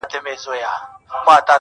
دا خواست د مړه وجود دی، داسي اسباب راکه.